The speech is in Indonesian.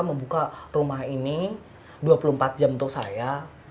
membuka rumah ini dua puluh empat jam untuk saya